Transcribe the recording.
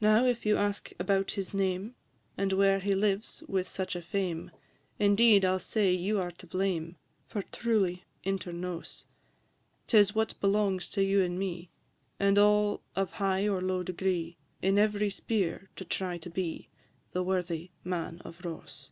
VI. Now, if you ask about his name, And where he lives with such a fame, Indeed, I 'll say you are to blame, For truly, inter nos, 'Tis what belongs to you and me, And all of high or low degree, In every sphere to try to be The worthy Man of Ross.